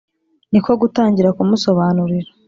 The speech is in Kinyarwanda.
ni ko gutangira kumusobanurira.